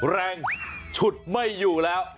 แรงฉุดไม่อยู่แล้ว